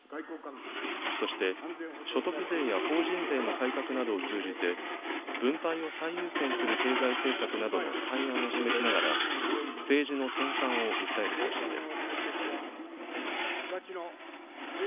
そして、所得税や法人税の改革などを通じて、分配を最優先する経済政策などの対案を示しながら、政治の転換を訴える方針です。